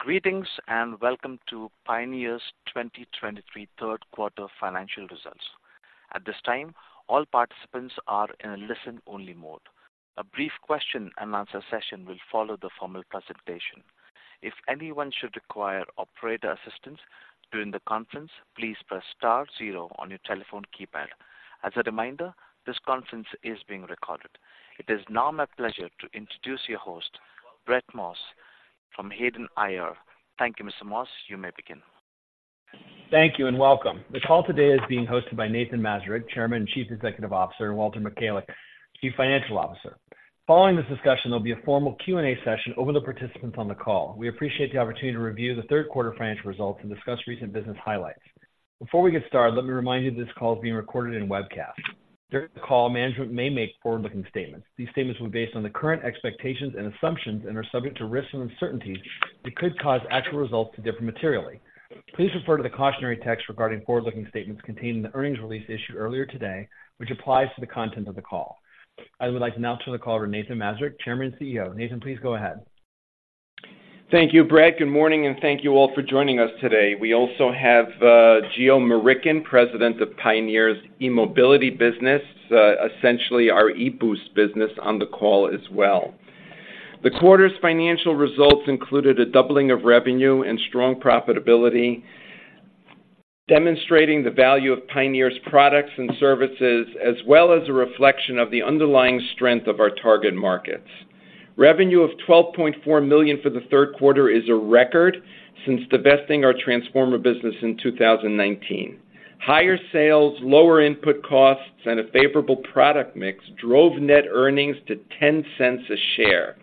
Greetings, and welcome to Pioneer's 2023 third quarter financial results. At this time, all participants are in a listen-only mode. A brief question-and-answer session will follow the formal presentation. If anyone should require operator assistance during the conference, please press star zero on your telephone keypad. As a reminder, this conference is being recorded. It is now my pleasure to introduce your host, Brett Maas, from Hayden IR. Thank you, Mr. Maas. You may begin. Thank you, and welcome. The call today is being hosted by Nathan Mazurek, Chairman and Chief Executive Officer, and Walter Michalec, Chief Financial Officer. Following this discussion, there'll be a formal Q&A session over the participants on the call. We appreciate the opportunity to review the third quarter financial results and discuss recent business highlights. Before we get started, let me remind you that this call is being recorded and webcast. During the call, management may make forward-looking statements. These statements will be based on the current expectations and assumptions and are subject to risks and uncertainties that could cause actual results to differ materially. Please refer to the cautionary text regarding forward-looking statements contained in the earnings release issued earlier today, which applies to the content of the call. I would like to now turn the call over to Nathan Mazurek, Chairman and CEO. Nathan, please go ahead. Thank you, Brett. Good morning, and thank you all for joining us today. We also have, Geo Murickan, President of Pioneer's e-Mobility business, essentially our e-Boost business, on the call as well. The quarter's financial results included a doubling of revenue and strong profitability, demonstrating the value of Pioneer's products and services, as well as a reflection of the underlying strength of our target markets. Revenue of $12.4 million for the third quarter is a record since divesting our transformer business in 2019. Higher sales, lower input costs, and a favorable product mix drove net earnings to $0.10 a share,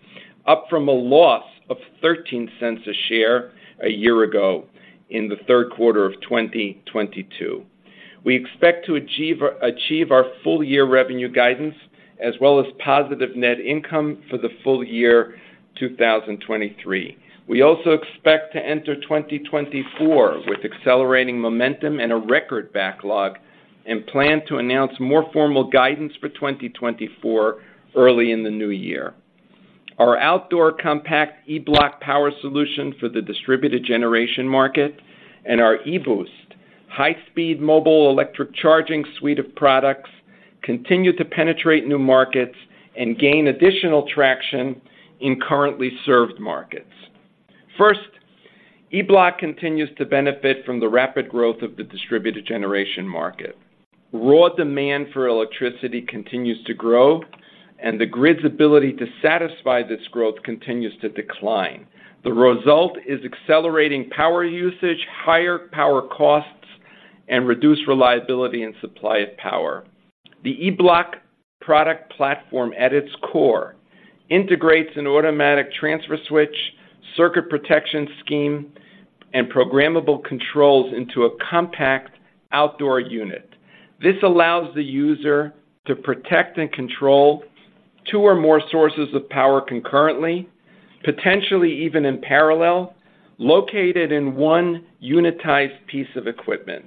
up from a loss of $0.13 a share a year ago in the third quarter of 2022. We expect to achieve our full-year revenue guidance as well as positive net income for the full year 2023. We also expect to enter 2024 with accelerating momentum and a record backlog and plan to announce more formal guidance for 2024 early in the new year. Our outdoor compact E-Bloc power solution for the distributed generation market and our e-Boost high-speed mobile electric charging suite of products continue to penetrate new markets and gain additional traction in currently served markets. First, E-Bloc continues to benefit from the rapid growth of the distributed generation market. Raw demand for electricity continues to grow, and the grid's ability to satisfy this growth continues to decline. The result is accelerating power usage, higher power costs, and reduced reliability and supply of power. The E-Bloc product platform, at its core, integrates an automatic transfer switch, circuit protection scheme, and programmable controls into a compact outdoor unit. This allows the user to protect and control two or more sources of power concurrently, potentially even in parallel, located in one unitized piece of equipment.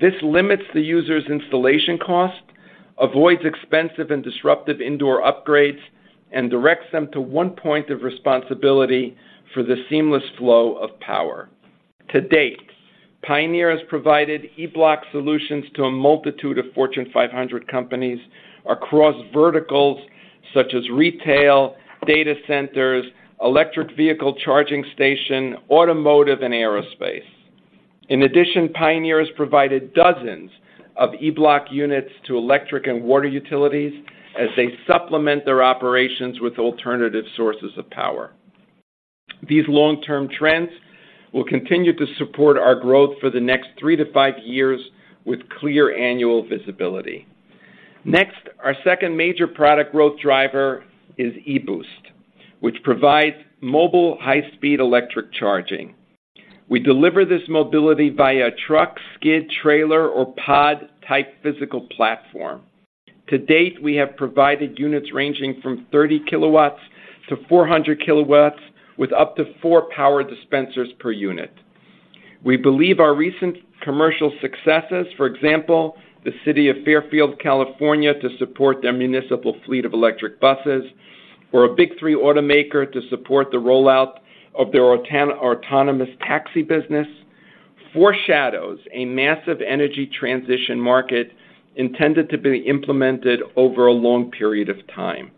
This limits the user's installation cost, avoids expensive and disruptive indoor upgrades, and directs them to one point of responsibility for the seamless flow of power. To date, Pioneer has provided E-Bloc solutions to a multitude of Fortune 500 companies across verticals such as retail, data centers, electric vehicle charging station, automotive, and aerospace. In addition, Pioneer has provided dozens of E-Bloc units to electric and water utilities as they supplement their operations with alternative sources of power. These long-term trends will continue to support our growth for the next three to five years with clear annual visibility. Next, our second major product growth driver is e-Boost, which provides mobile, high-speed electric charging. We deliver this mobility via truck, skid, trailer, or pod-type physical platform. To date, we have provided units ranging from 30 kW to 400 kW with up to 4 power dispensers per unit. We believe our recent commercial successes, for example, the city of Fairfield, California, to support their municipal fleet of electric buses or a Big Three automaker to support the rollout of their autonomous taxi business, foreshadows a massive energy transition market intended to be implemented over a long period of time.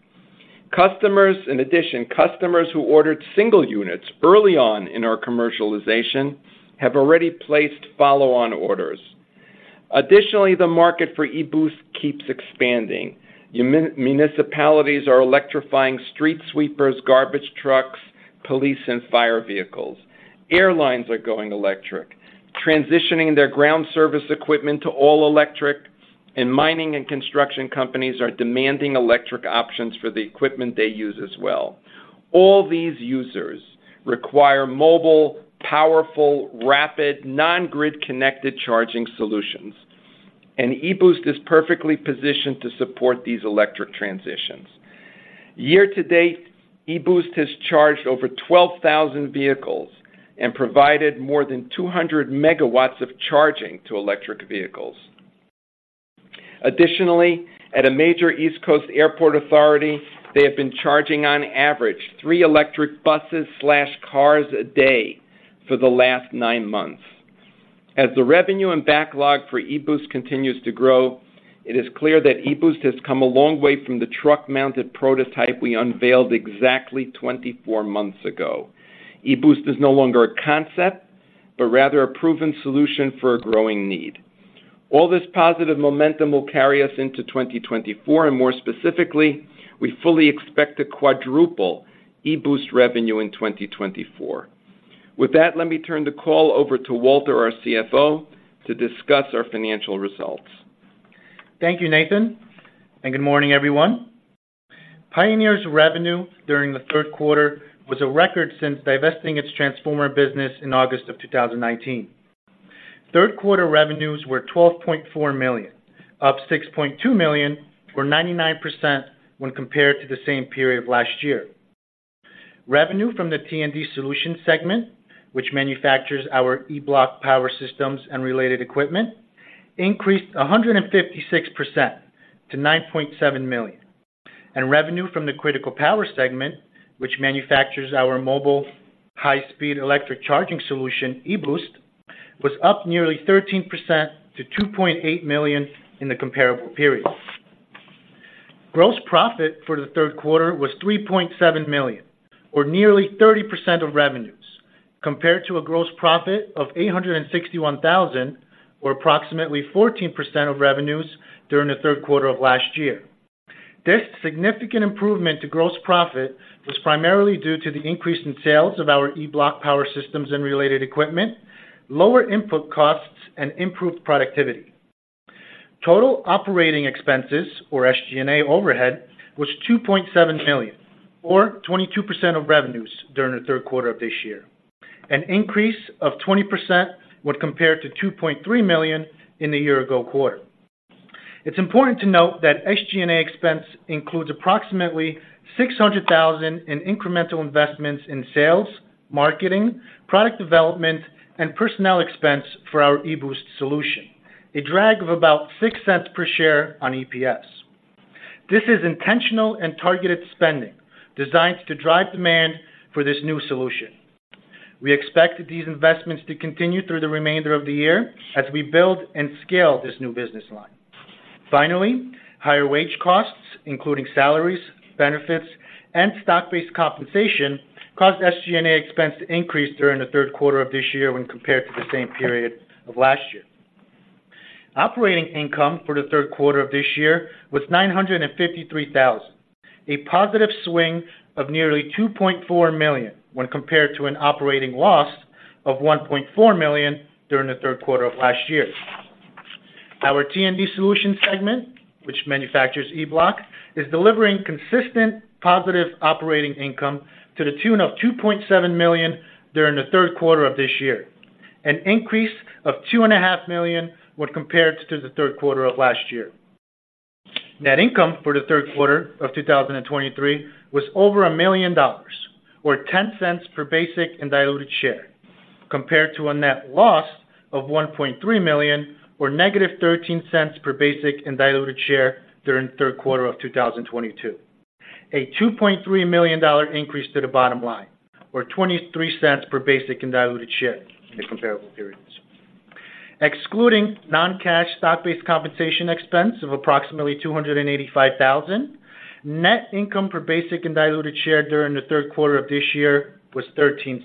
Customers, in addition, customers who ordered single units early on in our commercialization have already placed follow-on orders. Additionally, the market for e-Boost keeps expanding. Municipalities are electrifying street sweepers, garbage trucks, police and fire vehicles. Airlines are going electric, transitioning their ground service equipment to all electric, and mining and construction companies are demanding electric options for the equipment they use as well. All these users require mobile, powerful, rapid, non-grid-connected charging solutions, and e-Boost is perfectly positioned to support these electric transitions. Year to date, e-Boost has charged over 12,000 vehicles and provided more than 200 megawatts of charging to electric vehicles.... Additionally, at a major East Coast Airport Authority, they have been charging, on average, 3 electric buses/cars a day for the last 9 months. As the revenue and backlog for e-Boost continues to grow, it is clear that e-Boost has come a long way from the truck-mounted prototype we unveiled exactly 24 months ago. e-Boost is no longer a concept, but rather a proven solution for a growing need. All this positive momentum will carry us into 2024, and more specifically, we fully expect to quadruple e-Boost revenue in 2024. With that, let me turn the call over to Walter, our CFO, to discuss our financial results. Thank you, Nathan, and good morning, everyone. Pioneer's revenue during the third quarter was a record since divesting its transformer business in August of 2019. Third quarter revenues were $12.4 million, up $6.2 million, or 99% when compared to the same period last year. Revenue from the T&D Solutions segment, which manufactures our E-Bloc power systems and related equipment, increased 156% to $9.7 million. Revenue from the Critical Power segment, which manufactures our mobile high-speed electric charging solution, e-Boost, was up nearly 13% to $2.8 million in the comparable period. Gross profit for the third quarter was $3.7 million, or nearly 30% of revenues, compared to a gross profit of $861,000, or approximately 14% of revenues during the third quarter of last year. This significant improvement to gross profit was primarily due to the increase in sales of our E-Bloc power systems and related equipment, lower input costs, and improved productivity. Total operating expenses, or SG&A overhead, was $2.7 million, or 22% of revenues during the third quarter of this year, an increase of 20% when compared to $2.3 million in the year-ago quarter. It's important to note that SG&A expense includes approximately $600,000 in incremental investments in sales, marketing, product development, and personnel expense for our e-Boost solution, a drag of about $0.06 per share on EPS. This is intentional and targeted spending designed to drive demand for this new solution. We expect these investments to continue through the remainder of the year as we build and scale this new business line. Finally, higher wage costs, including salaries, benefits, and stock-based compensation, caused SG&A expense to increase during the third quarter of this year when compared to the same period of last year. Operating income for the third quarter of this year was $953,000, a positive swing of nearly $2.4 million when compared to an operating loss of $1.4 million during the third quarter of last year. Our T&D Solutions segment, which manufactures E-Bloc, is delivering consistent positive operating income to the tune of $2.7 million during the third quarter of this year, an increase of $2.5 million when compared to the third quarter of last year. Net income for the third quarter of 2023 was over $1 million, or $0.10 per basic and diluted share, compared to a net loss of $1.3 million, or negative $0.13 per basic and diluted share during the third quarter of 2022. A $2.3 million increase to the bottom line, or $0.23 per basic and diluted share in the comparable periods. Excluding non-cash stock-based compensation expense of approximately $285,000, net income per basic and diluted share during the third quarter of this year was $0.13.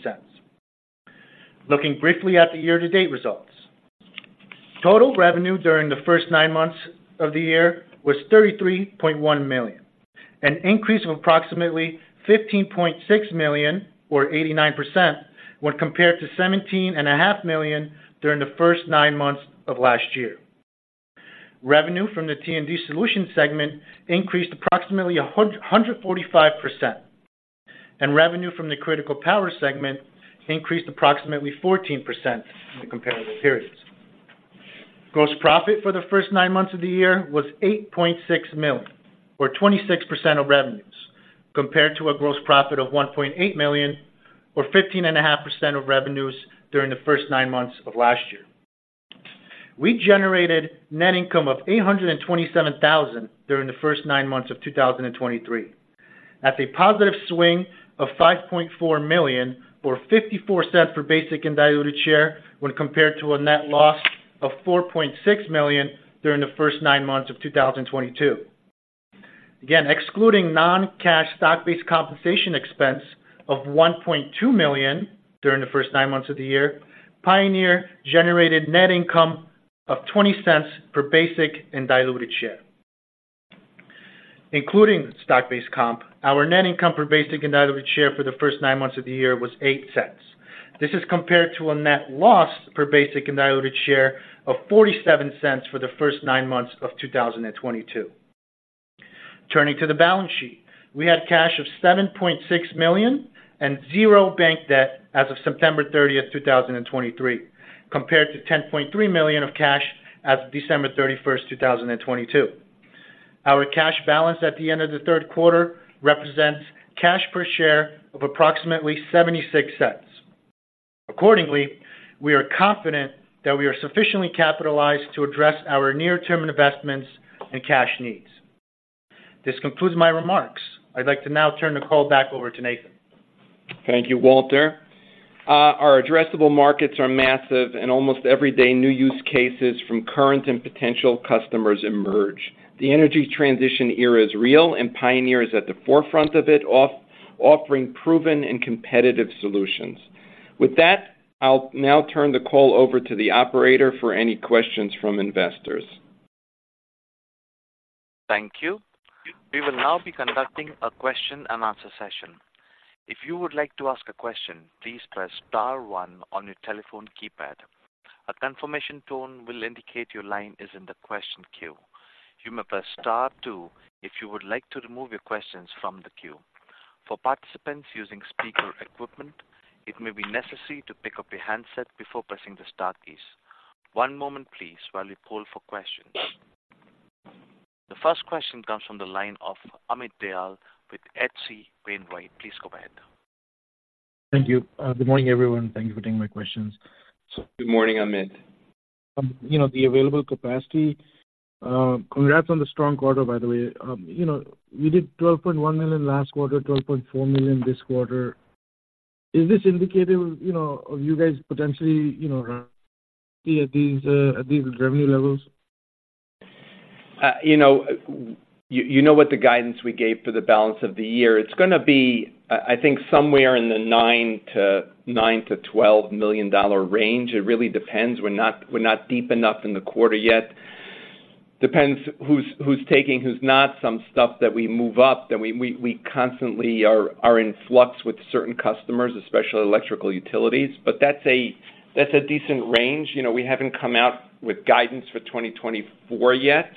Looking briefly at the year-to-date results. Total revenue during the first nine months of the year was $33.1 million, an increase of approximately $15.6 million, or 89%, when compared to $17.5 million during the first nine months of last year. Revenue from the T&D Solutions segment increased approximately 145%, and revenue from the Critical Power segment increased approximately 14% in the comparable periods. Gross profit for the first nine months of the year was $8.6 million, or 26% of revenues, compared to a gross profit of $1.8 million, or 15.5% of revenues during the first nine months of last year. We generated net income of $827,000 during the first nine months of 2023, at a positive swing of $5.4 million, or $0.54 per basic and diluted share when compared to a net loss of $4.6 million during the first nine months of 2022. Again, excluding non-cash stock-based compensation expense of $1.2 million during the first nine months of the year, Pioneer generated net income of $0.20 per basic and diluted share. Including stock-based comp, our net income per basic and diluted share for the first nine months of the year was $0.08. This is compared to a net loss per basic and diluted share of $0.47 for the first nine months of 2022. Turning to the balance sheet, we had cash of $7.6 million and $0 bank debt as of September 30, 2023, compared to $10.3 million of cash as of December 31, 2022. Our cash balance at the end of the third quarter represents cash per share of approximately $0.76. Accordingly, we are confident that we are sufficiently capitalized to address our near-term investments and cash needs. This concludes my remarks. I'd like to now turn the call back over to Nathan. Thank you, Walter. Our addressable markets are massive, and almost every day, new use cases from current and potential customers emerge. The energy transition era is real, and Pioneer is at the forefront of it, offering proven and competitive solutions. With that, I'll now turn the call over to the operator for any questions from investors. Thank you. We will now be conducting a question-and-answer session. If you would like to ask a question, please press star one on your telephone keypad. A confirmation tone will indicate your line is in the question queue. You may press star two if you would like to remove your questions from the queue. For participants using speaker equipment, it may be necessary to pick up your handset before pressing the star keys. One moment please while we poll for questions. The first question comes from the line of Amit Dayal with H.C. Wainwright. Please go ahead. Thank you. Good morning, everyone. Thank you for taking my questions. Good morning, Amit. You know, the available capacity... Congrats on the strong quarter, by the way. You know, you did $12.1 million last quarter, $12.4 million this quarter. Is this indicative, you know, of you guys potentially, you know, at these, at these revenue levels? You know, you know what, the guidance we gave for the balance of the year. It's gonna be, I think, somewhere in the $9-$12 million range. It really depends. We're not deep enough in the quarter yet. Depends who's taking, who's not, some stuff that we move up, we constantly are in flux with certain customers, especially electrical utilities. But that's a decent range. You know, we haven't come out with guidance for 2024 yet,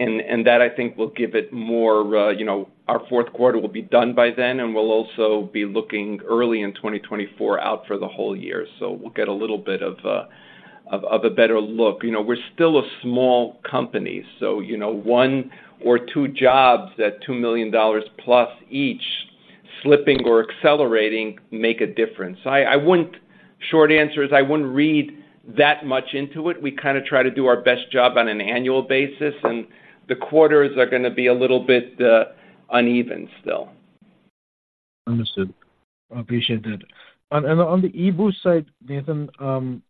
and that, I think, will give it more, you know. Our fourth quarter will be done by then, and we'll also be looking early in 2024 out for the whole year, so we'll get a little bit of a better look. You know, we're still a small company, so, you know, one or two jobs at $2 million plus each, slipping or accelerating, make a difference. I, I wouldn't. Short answer is, I wouldn't read that much into it. We kinda try to do our best job on an annual basis, and the quarters are gonna be a little bit uneven still. Understood. I appreciate that. On the e-Boost side, Nathan,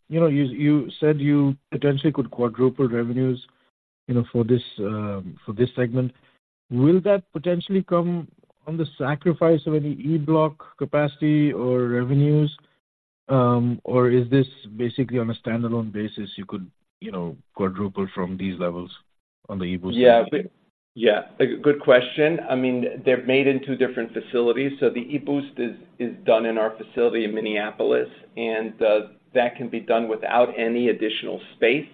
you know, you said you potentially could quadruple revenues, you know, for this segment. Will that potentially come on the sacrifice of any E-Bloc capacity or revenues, or is this basically on a standalone basis, you could, you know, quadruple from these levels on the e-Boost? Yeah. Yeah, good question. I mean, they're made in two different facilities, so the e-Boost is done in our facility in Minneapolis, and that can be done without any additional space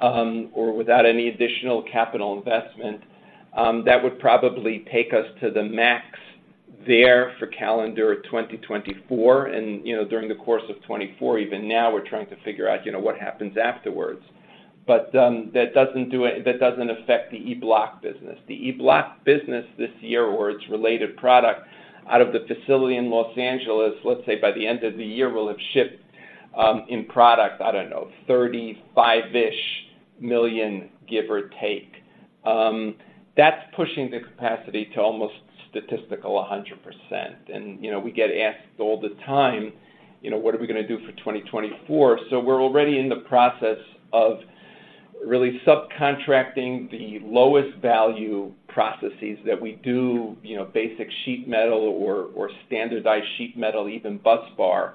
or without any additional capital investment. That would probably take us to the max there for calendar 2024, and you know, during the course of 2024, even now, we're trying to figure out you know, what happens afterwards. But that doesn't affect the E-Bloc business. The E-Bloc business this year, or its related product, out of the facility in Los Angeles, let's say by the end of the year, we'll have shipped in product, I don't know, $35-ish million, give or take. That's pushing the capacity to almost statistical 100%, and, you know, we get asked all the time, you know, what are we gonna do for 2024? So we're already in the process of really subcontracting the lowest value processes that we do, you know, basic sheet metal or, or standardized sheet metal, even busbar,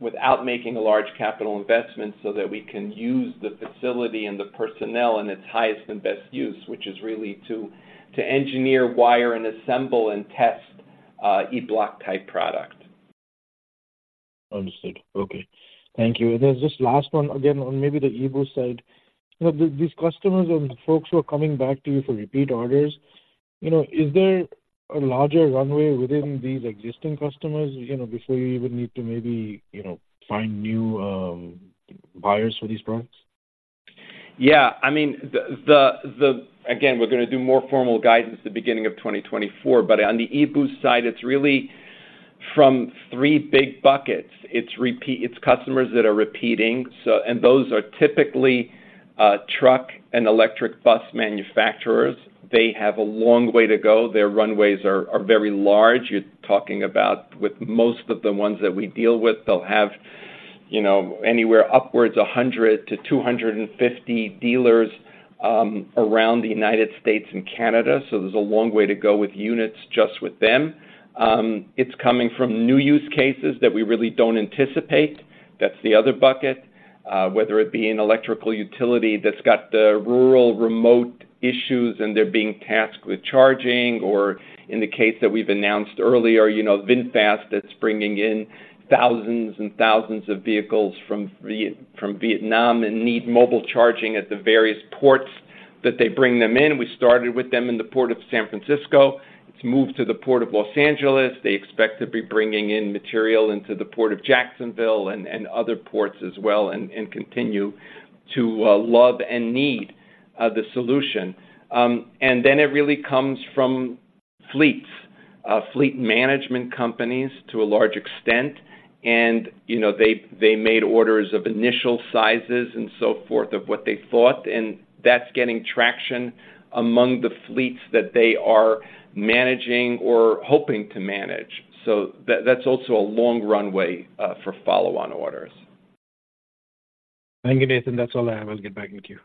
without making a large capital investment, so that we can use the facility and the personnel in its highest and best use, which is really to, to engineer, wire, and assemble, and test, E-Bloc-type product. Understood. Okay, thank you. And then just last one, again, on maybe the e-Boost side. You know, these, these customers and folks who are coming back to you for repeat orders, you know, is there a larger runway within these existing customers, you know, before you even need to maybe, you know, find new buyers for these products? Yeah, I mean, the- again, we're gonna do more formal guidance at the beginning of 2024, but on the e-Boost side, it's really from three big buckets. It's repeating customers that are repeating, so, and those are typically truck and electric bus manufacturers. They have a long way to go. Their runways are very large. You're talking about with most of the ones that we deal with, they'll have, you know, anywhere upwards of 100-250 dealers around the United States and Canada. So there's a long way to go with units just with them. It's coming from new use cases that we really don't anticipate. That's the other bucket. Whether it be an electrical utility that's got the rural, remote issues, and they're being tasked with charging, or in the case that we've announced earlier, you know, VinFast, that's bringing in thousands and thousands of vehicles from Vietnam and need mobile charging at the various ports that they bring them in. We started with them in the Port of San Francisco. It's moved to the Port of Los Angeles. They expect to be bringing in material into the Port of Jacksonville and other ports as well, and continue to love and need the solution. And then it really comes from fleets, fleet management companies to a large extent, and, you know, they, they made orders of initial sizes and so forth, of what they thought, and that's getting traction among the fleets that they are managing or hoping to manage. That's also a long runway for follow-on orders. Thank you, Nathan. That's all I have. I'll get back in queue.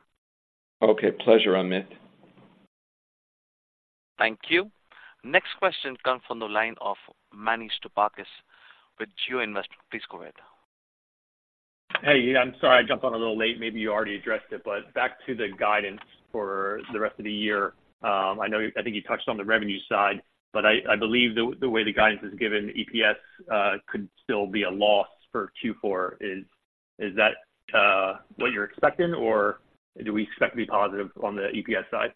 Okay, pleasure, Amit. Thank you. Next question comes from the line of Manny Stoupakis with GeoInvesting. Please go ahead. Hey, I'm sorry, I jumped on a little late. Maybe you already addressed it, but back to the guidance for the rest of the year. I know you—I think you touched on the revenue side, but I believe the way the guidance is given, EPS could still be a loss for Q4. Is that what you're expecting, or do we expect to be positive on the EPS side?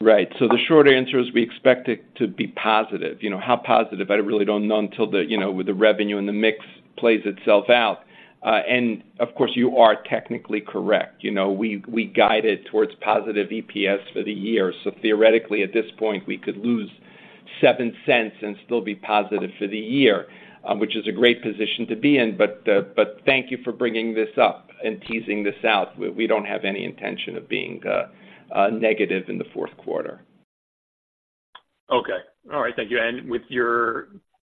Right. So the short answer is we expect it to be positive. You know, how positive? I really don't know until the, you know, with the revenue and the mix plays itself out. And of course, you are technically correct. You know, we, we guided towards positive EPS for the year, so theoretically, at this point, we could lose $0.07 and still be positive for the year, which is a great position to be in. But, but thank you for bringing this up and teasing this out. We, we don't have any intention of being, negative in the fourth quarter. Okay. All right, thank you. With your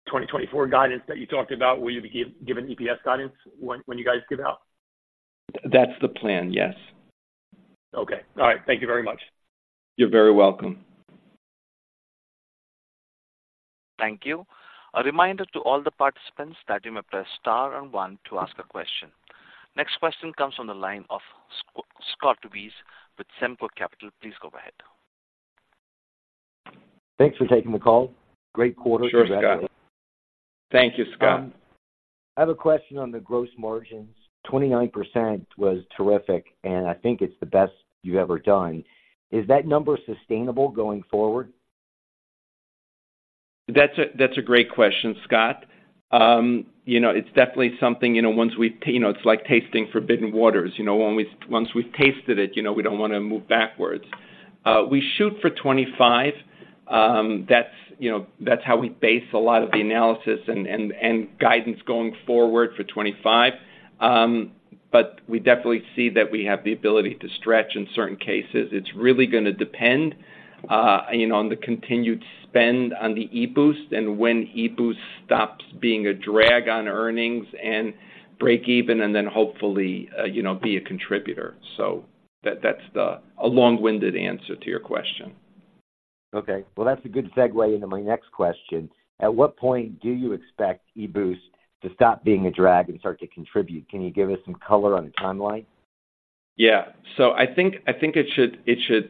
2024 guidance that you talked about, will you be giving EPS guidance when you guys give out? That's the plan, yes. Okay. All right, thank you very much. You're very welcome. Thank you. A reminder to all the participants that you may press star and one to ask a question. Next question comes from the line of Scott Weis with Semper Capital. Please go ahead. Thanks for taking the call. Great quarter. Sure, Scott. Thank you, Scott. I have a question on the gross margins. 29% was terrific, and I think it's the best you've ever done. Is that number sustainable going forward? That's a great question, Scott. You know, it's definitely something, you know, once we've tasted it, you know, we don't wanna move backwards. We shoot for 2025. That's, you know, that's how we base a lot of the analysis and guidance going forward for 2025. But we definitely see that we have the ability to stretch in certain cases. It's really gonna depend, you know, on the continued spend on the e-Boost and when e-Boost stops being a drag on earnings and break even, and then hopefully, you know, be a contributor. So that's a long-winded answer to your question. Okay, well, that's a good segue into my next question. At what point do you expect e-Boost to stop being a drag and start to contribute? Can you give us some color on the timeline? Yeah. So I think it should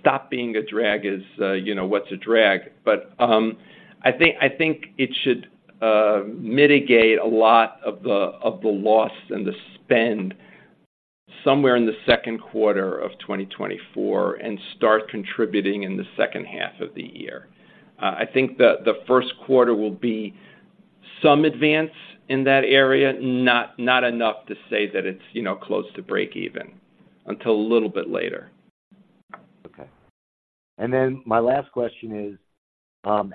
stop being a drag, you know, what's a drag? But I think it should mitigate a lot of the loss and the spend somewhere in the second quarter of 2024 and start contributing in the second half of the year. I think the first quarter will be some advance in that area. Not enough to say that it's, you know, close to break even, until a little bit later. Okay. And then my last question is,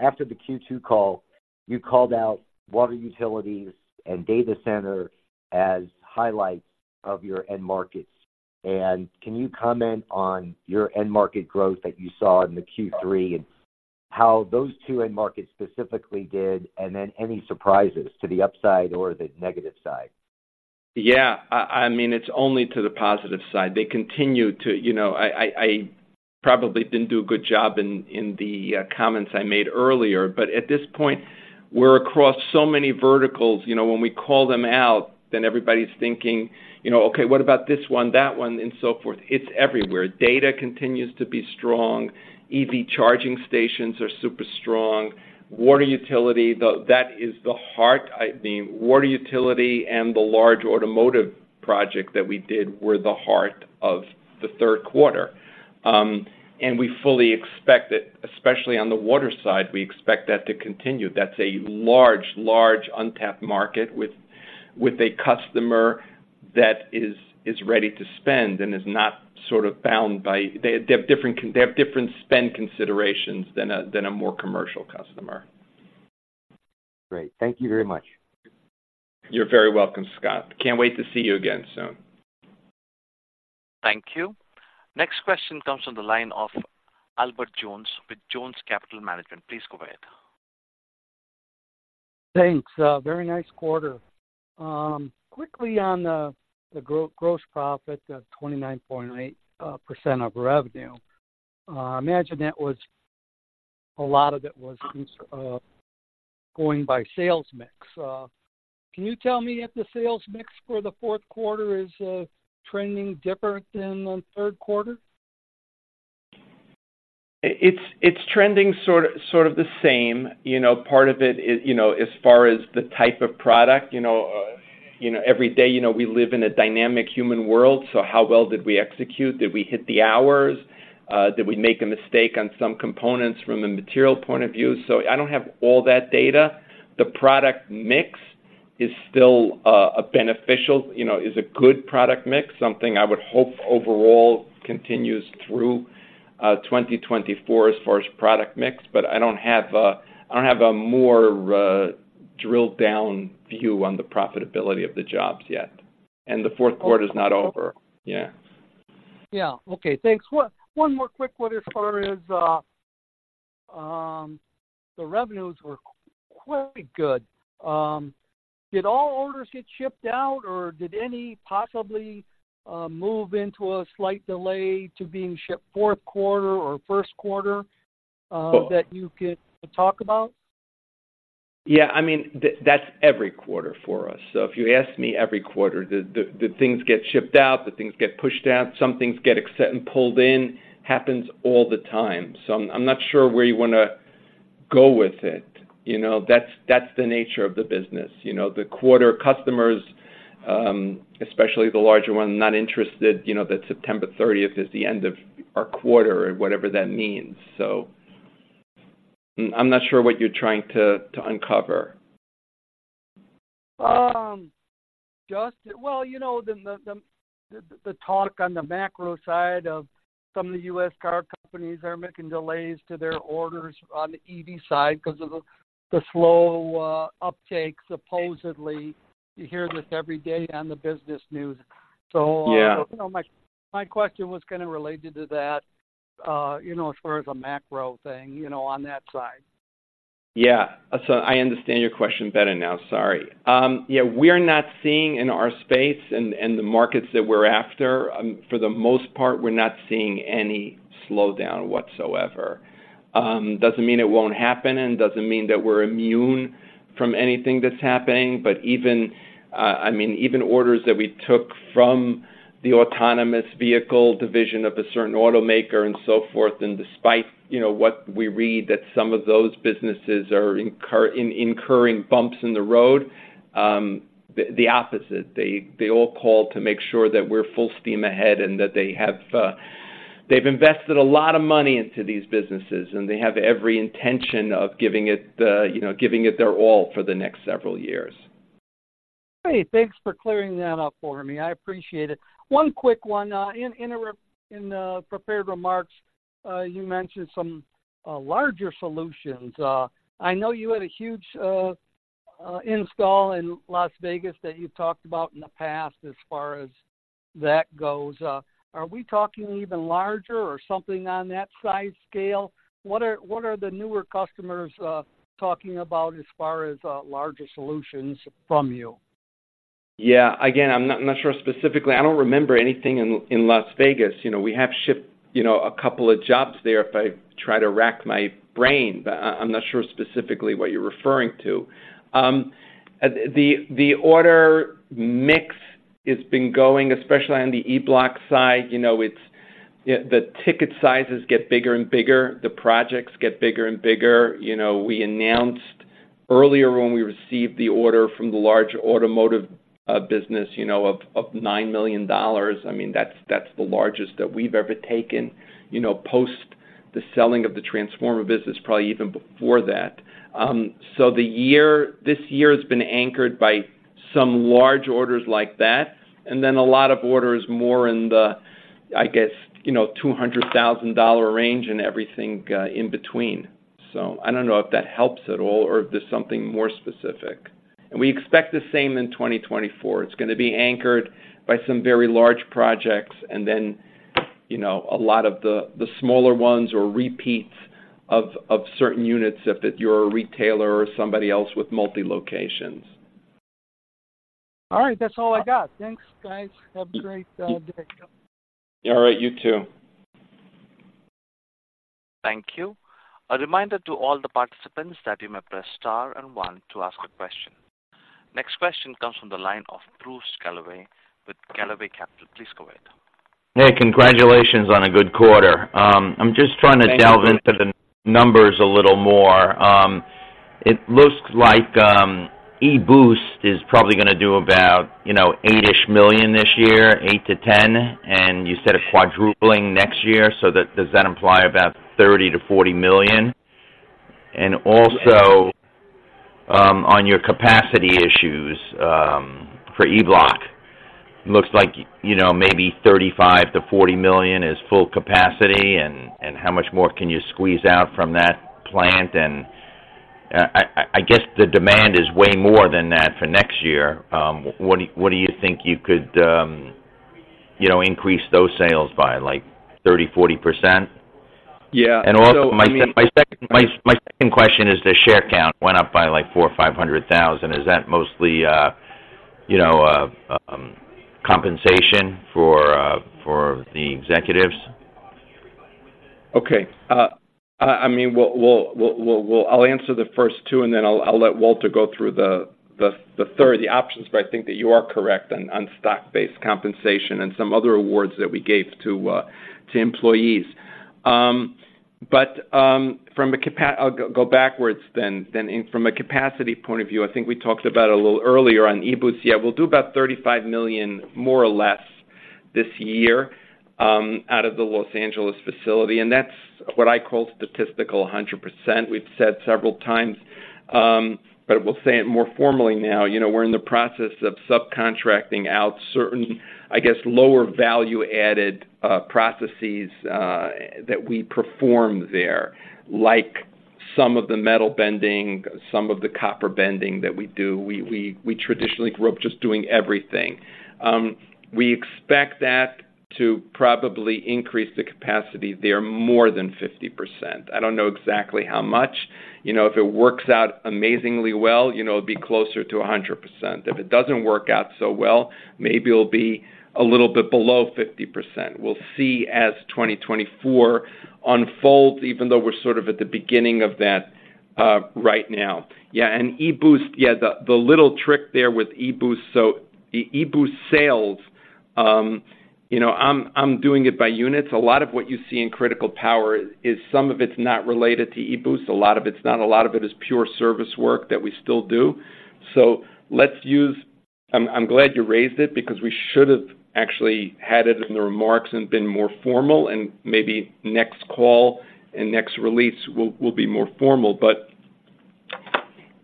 after the Q2 call, you called out water utilities and data center as highlights of your end markets. And can you comment on your end market growth that you saw in the Q3, and how those two end markets specifically did, and then any surprises to the upside or the negative side? Yeah, I mean, it's only to the positive side. They continue to... You know, I probably didn't do a good job in the comments I made earlier, but at this point, we're across so many verticals. You know, when we call them out, then everybody's thinking, you know, "Okay, what about this one, that one, and so forth?" It's everywhere. Data continues to be strong. EV charging stations are super strong. Water utility, though, that is the heart. I mean, water utility and the large automotive project that we did were the heart of the third quarter. We fully expect that, especially on the water side, we expect that to continue. That's a large, large untapped market with a customer that is ready to spend and is not sort of bound by... They have different spend considerations than a more commercial customer. Great. Thank you very much. You're very welcome, Scott. Can't wait to see you again soon. Thank you. Next question comes from the line of Albert Jones with Jones Capital Management. Please go ahead. Thanks. Very nice quarter. Quickly on the gross profit, the 29.8% of revenue, I imagine that was a lot of it was going by sales mix. Can you tell me if the sales mix for the fourth quarter is trending different than the third quarter? It's trending sort of the same. You know, part of it is, you know, as far as the type of product, you know, you know, every day, you know, we live in a dynamic human world. So how well did we execute? Did we hit the hours? Did we make a mistake on some components from a material point of view? So I don't have all that data. The product mix is still a beneficial, you know, is a good product mix, something I would hope overall continues through 2024 as far as product mix, but I don't have a, I don't have a more drilled down view on the profitability of the jobs yet. And the fourth quarter is not over. Yeah. Yeah. Okay. Thanks. One more quick one as far as the revenues were quite good. Did all orders get shipped out, or did any possibly move into a slight delay to being shipped fourth quarter or first quarter that you could talk about? Yeah, I mean, that's every quarter for us. So if you ask me every quarter, the things get shipped out, the things get pushed out, some things get accepted and pulled in, happens all the time. So I'm not sure where you wanna go with it, you know? That's the nature of the business. You know, the quarter customers, especially the larger one, not interested, you know, that September 30th is the end of our quarter or whatever that means. So I'm not sure what you're trying to uncover. Just, well, you know, the talk on the macro side of some of the U.S. car companies are making delays to their orders on the EV side because of the slow uptake, supposedly. You hear this every day on the business news. Yeah. So, you know, my question was kinda related to that, you know, on that side. Yeah. So I understand your question better now. Sorry. Yeah, we're not seeing in our space and the markets that we're after, for the most part, we're not seeing any slowdown whatsoever. Doesn't mean it won't happen and doesn't mean that we're immune from anything that's happening, but even, I mean, even orders that we took from the autonomous vehicle division of a certain automaker and so forth, and despite, you know, what we read, that some of those businesses are incurring bumps in the road, the opposite. They all call to make sure that we're full steam ahead and that they've invested a lot of money into these businesses, and they have every intention of giving it, you know, their all for the next several years. Great, thanks for clearing that up for me. I appreciate it. One quick one. In the prepared remarks, you mentioned some larger solutions. I know you had a huge install in Las Vegas that you talked about in the past as far as that goes. Are we talking even larger or something on that size scale? What are the newer customers talking about as far as larger solutions from you? Yeah. Again, I'm not, not sure specifically. I don't remember anything in, in Las Vegas. You know, we have shipped, you know, a couple of jobs there if I try to rack my brain, but I, I'm not sure specifically what you're referring to. The order mix has been going, especially on the E-Bloc side, you know, it's the ticket sizes get bigger and bigger, the projects get bigger and bigger. You know, we announced earlier when we received the order from the large automotive business, you know, of $9 million. I mean, that's the largest that we've ever taken, you know, post the selling of the transformer business, probably even before that. So this year has been anchored by some large orders like that, and then a lot of orders more in the, I guess, you know, $200,000 range and everything in between. So I don't know if that helps at all or if there's something more specific. And we expect the same in 2024. It's gonna be anchored by some very large projects and then, you know, a lot of the smaller ones or repeats of certain units if you're a retailer or somebody else with multi locations. All right. That's all I got. Thanks, guys. Have a great day. All right. You too. Thank you. A reminder to all the participants that you may press star and one to ask a question. Next question comes from the line of Bruce Galloway with Galloway Capital. Please go ahead. Hey, congratulations on a good quarter. I'm just trying to- Thank you. Delve into the numbers a little more. It looks like e-Boost is probably gonna do about, you know, $8-ish million this year, $8-$10 million, and you said a quadrupling next year. So that, does that imply about $30-$40 million? And also, on your capacity issues, for E-Bloc, looks like, you know, maybe $35-$40 million is full capacity, and how much more can you squeeze out from that plant? And I guess the demand is way more than that for next year. What do you think you could, you know, increase those sales by, like, 30, 40%? Yeah, so I mean- Also, my second question is the share count went up by, like, 400,000 or 500,000. Is that mostly, you know, compensation for the executives? Okay. I mean, we'll. I'll answer the first two, and then I'll let Walter go through the third, the options, but I think that you are correct on stock-based compensation and some other awards that we gave to employees. But I'll go backwards then. From a capacity point of view, I think we talked about a little earlier on e-Boost. Yeah, we'll do about $35 million, more or less, this year out of the Los Angeles facility, and that's what I call statistical 100%. We've said several times, but we'll say it more formally now, you know, we're in the process of subcontracting out certain, I guess, lower value-added processes that we perform there, like some of the metal bending, some of the copper bending that we do. We traditionally grew up just doing everything. We expect that to probably increase the capacity there more than 50%. I don't know exactly how much. You know, if it works out amazingly well, you know, it'll be closer to 100%. If it doesn't work out so well, maybe it'll be a little bit below 50%. We'll see as 2024 unfolds, even though we're sort of at the beginning of that right now. Yeah, and e-Boost, yeah, the, the little trick there with e-Boost, so the e-Boost sales, you know, I'm doing it by units. A lot of what you see in critical power is some of it's not related to e-Boost. A lot of it's not. A lot of it is pure service work that we still do. So, let's use. I'm glad you raised it because we should have actually had it in the remarks and been more formal, and maybe next call and next release will be more formal. But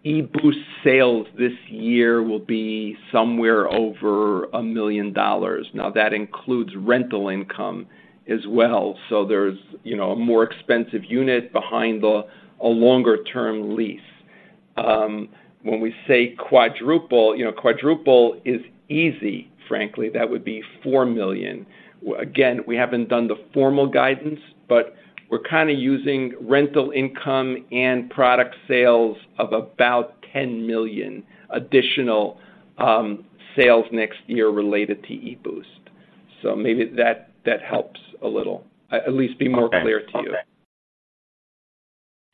e-Boost sales this year will be somewhere over $1 million. Now, that includes rental income as well, so there's, you know, a more expensive unit behind a longer-term lease. When we say quadruple, you know, quadruple is easy, frankly. That would be $4 million. Again, we haven't done the formal guidance, but we're kinda using rental income and product sales of about $10 million additional sales next year related to e-Boost. So maybe that, that helps a little, at least be more clear to you. Okay.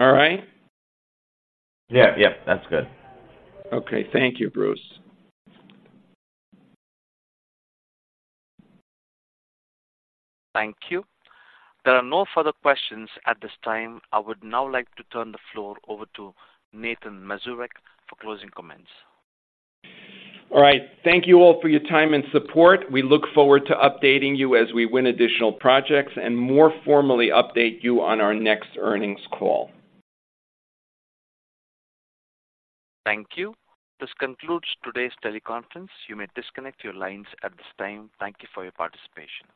All right? Yeah. Yep, that's good. Okay. Thank you, Bruce. Thank you. There are no further questions at this time. I would now like to turn the floor over to Nathan Mazurek for closing comments. All right. Thank you all for your time and support. We look forward to updating you as we win additional projects and more formally update you on our next earnings call. Thank you. This concludes today's teleconference. You may disconnect your lines at this time. Thank you for your participation.